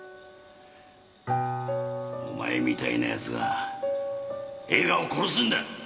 お前みたいな奴が映画を殺すんだ！